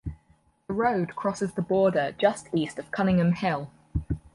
The road crosses the border just east of Cunningham Hill.